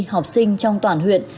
học sinh trong toàn huyện